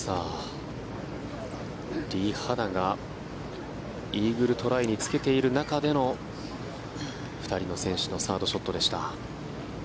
リ・ハナがイーグルトライにつけている中での２人の選手のサードショットでした。